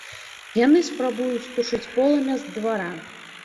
Яны спрабуюць тушыць полымя з двара.